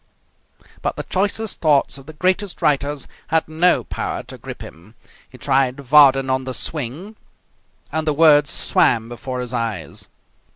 But the choicest thoughts of the greatest writers had no power to grip him. He tried Vardon "On the Swing", and the words swam before his eyes.